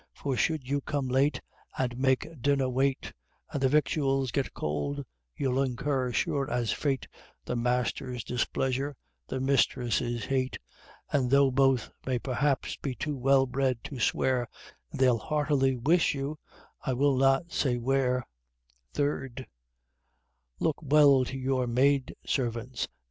For should you come late, And make dinner wait, And the victuals get cold, you'll incur, sure as fate, The Master's displeasure, the Mistress's hate. And though both may perhaps be too well bred to swear, They'll heartily wish you I will not say Where. 3_tio._ Look well to your Maid servants!